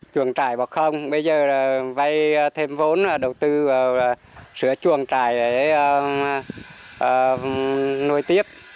chuồng trại bò không bây giờ vay thêm vốn đầu tư sửa chuồng trại để nuôi tiếp